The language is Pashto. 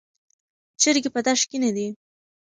چرګې په دښت کې نه دي.